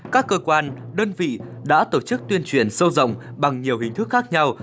các cơ quan đơn vị đã tổ chức tuyên truyền sâu rộng bằng nhiều hình thức khác nhau